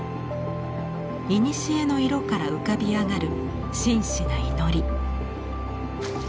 いにしえの色から浮かび上がる真摯な祈り。